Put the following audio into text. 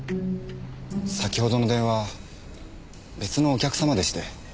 先ほどの電話別のお客様でして。